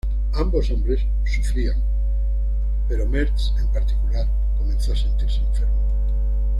Ambos hombres sufrían, pero Mertz, en particular, comenzó a sentirse enfermo.